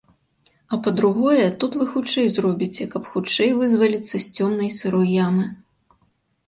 А па-другое, тут вы хутчэй зробіце, каб хутчэй вызваліцца з цёмнай і сырой ямы.